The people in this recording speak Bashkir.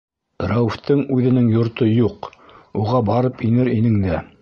Рәүефтең үҙенең йорто юҡ, уға барып инер инең дә.